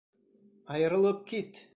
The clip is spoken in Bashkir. Айырылып кит!